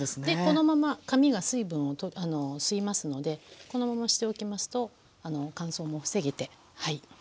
でこのまま紙が水分を吸いますのでこのまましておきますと乾燥も防げてはい。